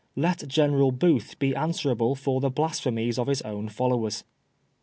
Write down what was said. Let General Booth be answerable for the blasphemies of his own followers.